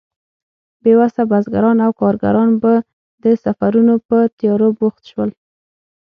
بې وسه بزګران او کارګران به د سفرونو په تيارو بوخت شول.